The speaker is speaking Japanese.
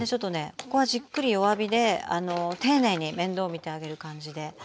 ここはじっくり弱火で丁寧に面倒見てあげる感じで。